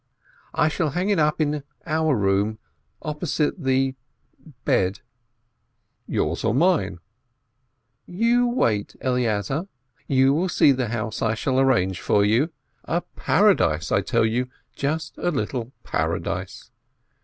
I shall hang it up in our room, opposite the bed." "Yours or mine ?" "You wait, Eleazar ! You will see the house I shall arrange for you — a paradise, I tell you, just a little paradise!